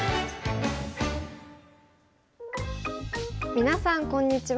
皆さんこんにちは。